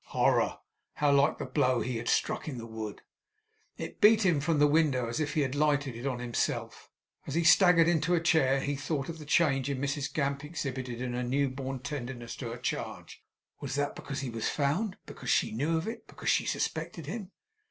Horror! How like the blow he had struck in the wood! It beat him from the window as if it had lighted on himself. As he staggered into a chair, he thought of the change in Mrs Gamp exhibited in her new born tenderness to her charge. Was that because it was found? because she knew of it? because she suspected him?